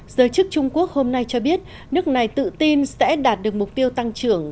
giới chức trung quốc hôm nay cho biết nước này tự tin sẽ đạt được mục tiêu tăng trưởng